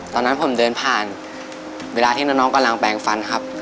ตอนนั้นผมเดินผ่านเวลาที่น้องกำลังแปลงฟันครับ